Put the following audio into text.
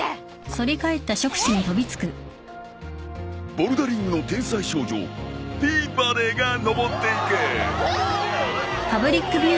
ボルダリングの天才少女ピーボディが登っていく。